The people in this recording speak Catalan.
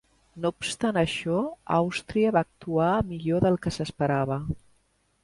No obstant això, Austria va actuar millor del que s'esperava.